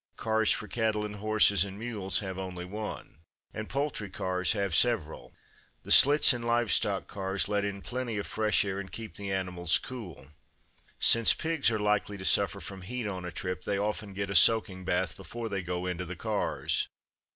Cars for cattle and horses and mules have only one. And poultry cars have several. The slits in livestock cars let in plenty of fresh air and keep the animals cool. Since pigs are likely to suffer from heat on a trip, they often get a soaking bath before they go into the cars.